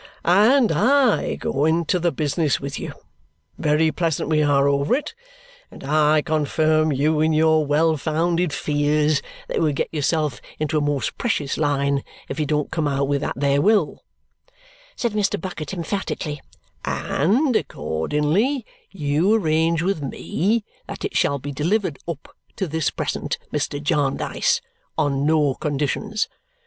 "And I go into the business with you very pleasant we are over it; and I confirm you in your well founded fears that you will get yourself into a most precious line if you don't come out with that there will," said Mr. Bucket emphatically; "and accordingly you arrange with me that it shall be delivered up to this present Mr. Jarndyce, on no conditions.